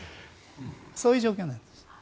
そういう状況なんです。